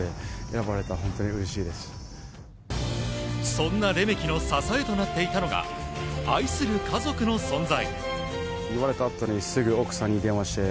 そんなレメキの支えとなっていたのが愛する家族の存在。